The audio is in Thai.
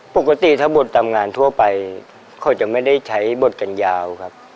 ปกติถ้าบททำงานทั่วไปเขาจะไม่ได้ใช้บทกันยาวครับ